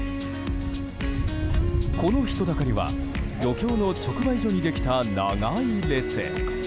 この人だかりは漁協の直売所にできた長い行列。